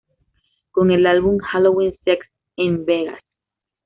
Con el álbum "Halloween Sex N Vegas".